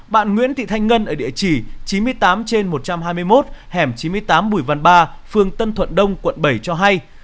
bạn nguyễn thị thanh ngân ở địa chỉ chín mươi tám trên một trăm hai mươi một hẻm chín mươi tám bùi văn ba phường tân thuận đông quận bảy cho hay